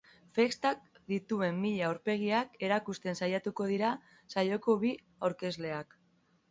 Festak dituen mila aurpegiak erakusten saiatuko dira saioko bi aurkezleak.